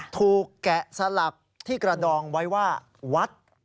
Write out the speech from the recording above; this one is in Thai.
แกะสลักที่กระดองไว้ว่าวัด